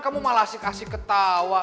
kamu malah asyik asyik ketawa